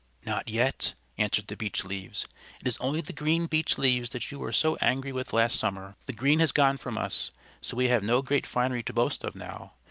"Not yet," answered the Beech Leaves. "It is only the green Beech Leaves that you were so angry with last summer. The green has gone from us, so we have no great finery to boast of now.